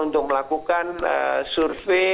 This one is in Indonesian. untuk melakukan survei